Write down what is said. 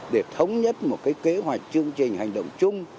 để thống nhất một cái kế hoạch chương trình hành động chung